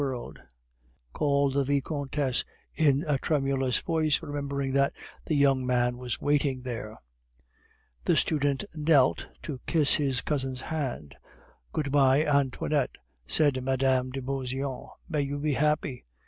de Rastignac!" called the Vicomtesse, in a tremulous voice, remembering that the young man was waiting there. The student knelt to kiss his cousin's hand. "Good bye, Antoinette!" said Mme. de Beauseant. "May you be happy."